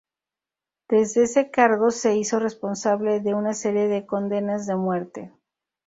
Desde ese cargo, se hizo responsable de una serie de condenas de muerte.